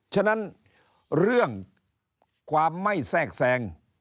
ฉะนั้นเรื่องความไม่แทรกแทรง